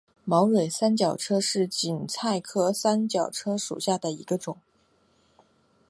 毛蕊三角车为堇菜科三角车属下的一个种。